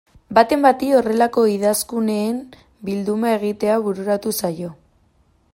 Baten bati horrelako idazkunen bilduma egitea bururatu zaio.